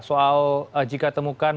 soal jika temukan